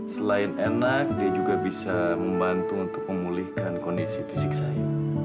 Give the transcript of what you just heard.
selain enak dia juga bisa membantu untuk memulihkan kondisi fisik saya